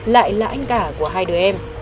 lại là anh cả của hai đứa em